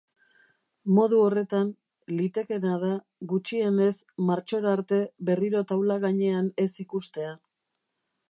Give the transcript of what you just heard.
Modu horretan, litekeena da gutxienez martxora arte berriro taula gainean ez ikustea.